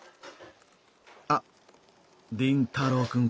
あっ凛太郎くんか。